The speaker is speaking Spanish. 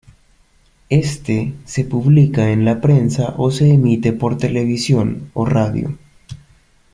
Este se publica en la prensa o se emite por televisión o radio.